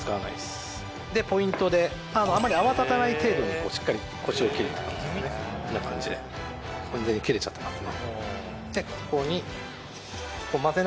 ポイントであんまり泡立たない程度にしっかりコシを切るとこんな感じで完全に切れちゃってますね